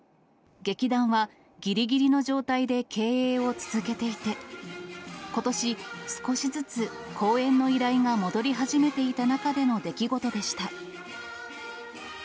劇団はぎりぎりの状態で経営を続けていて、ことし、少しずつ公演の依頼が戻り始めていた中での出来事でした。